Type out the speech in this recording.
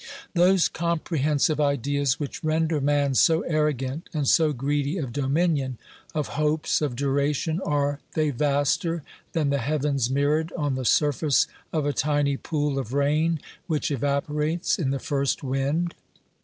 Those comprehensive ideas which render man so arro gant and so greedy of dominion, of hopes, of duration, are they vaster than the heavens mirrored on the surface of a tiny pool of rain, which evaporates in the first wind?